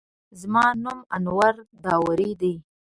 زما نوم انور داوړ دی.